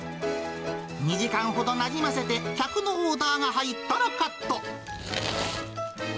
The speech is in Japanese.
２時間ほどなじませて、客のオーダーが入ったらカット。